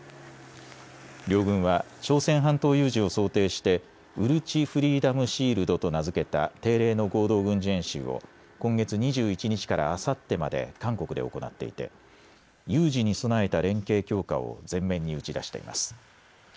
両軍は朝鮮半島有事を想定してウルチ・フリーダム・シールドと名付けた定例の合同軍事演習を今月２１日からあさってまで韓国で行っていて有事に備えた連携強化を前面に打ち出しています。